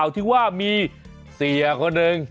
ที่ว่ามีเสียคนหนึ่ง